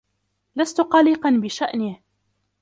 لست قلقا بشأنه